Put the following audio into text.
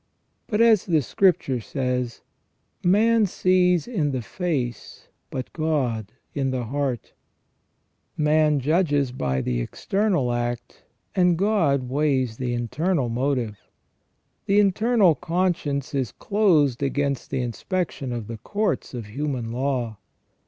But, as the Scripture says :" Man sees in the face, but God in the heart ". Man judges by the external act, and God weighs the internal motive. The internal conscience is closed against the inspection of the courts of human law.